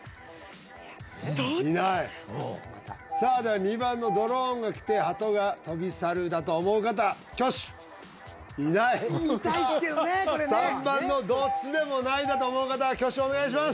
どっちいないさあでは２番のドローンが来てハトが飛び去るだと思う方挙手いない見たいっすけどねこれ３番のどっちでもないだと思う方挙手お願いします